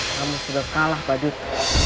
kamu sudah kalah badut